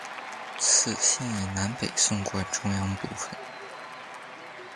此线以南北纵贯中央部分。